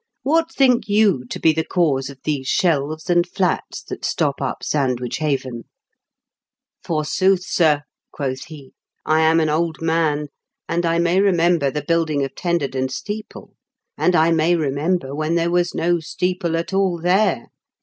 What think you to be the cause of these shelves and flats that stop up Sandwich haven ?'' Forsooth, sir,' quoth he, * I am an old man, and I may remember the building of Tenderden steeple, and I may remember when there was no steeple at all there.